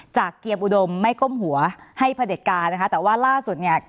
เกียร์อุดมไม่ก้มหัวให้พระเด็จการนะคะแต่ว่าล่าสุดเนี่ย